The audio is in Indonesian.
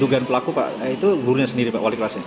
dugaan pelaku pak itu gurunya sendiri pak wali kelasnya